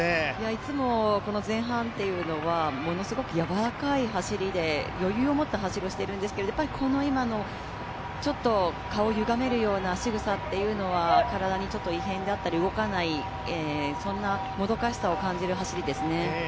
いつも前半というのは、ものすごくやわらかい走りで、余裕を持った走りをしているんですけど、やっぱりこの今の顔をゆがめるようなしぐさというのは体にちょっと異変であったり、動かないそんなもどかしさを感じる走りですね。